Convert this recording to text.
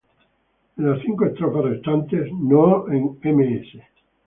En las cinco estrofas restantes no en ms.